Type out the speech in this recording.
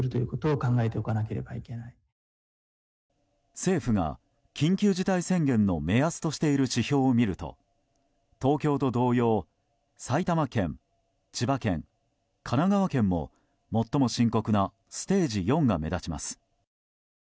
政府が緊急事態宣言の目安としている指標をみると東京と同様埼玉県、千葉県、神奈川県も最も深刻なステージ４が目立ちます。